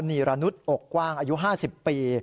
นีรนุษย์อกกว้างอายุ๕๐ปี